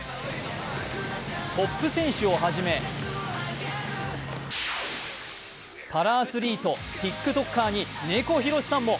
トップ選手をはじめ、パラアスリート、ＴｉｋＴｏｋｅｒに猫ひろしさんも。